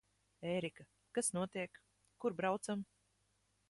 Ērika, kas notiek? Kur braucam?